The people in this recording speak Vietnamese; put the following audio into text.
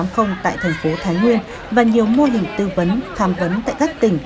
không tại thành phố thái nguyên và nhiều mô hình tư vấn tham vấn tại các tỉnh